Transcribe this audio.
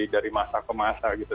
dari masa ke masa gitu